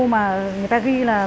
mà người ta ghi là